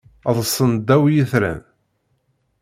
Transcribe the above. Ḍḍsen ddaw yitran.